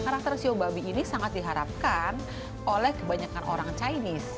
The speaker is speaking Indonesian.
karakter siobabi ini sangat diharapkan oleh kebanyakan orang chinese